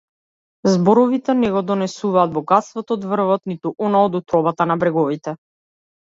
Зборовите не го донесуваат богатството од врвот, ниту она од утробата на бреговите.